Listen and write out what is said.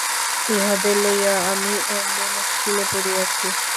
ইহাদের লইয়া আমি এমনি মুশকিলে পড়িয়াছি।